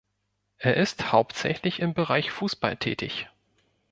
Er ist hauptsächlich im Bereich Fußball tätig.